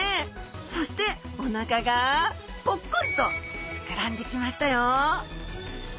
そしておなかがぽっこりと膨らんできましたよ！